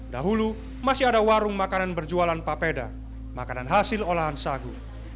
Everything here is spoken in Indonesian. dahulu masih ada warung makanan berjualan papeda makanan hasil olahan sagu